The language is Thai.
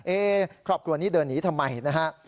ครอบครัวนี้เดินหนีทำไมนะฮะ